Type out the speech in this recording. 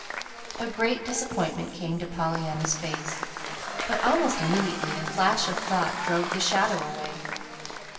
A great disappointment came to Pollyanna's face, but almost immediately a flash of thought drove the shadow away.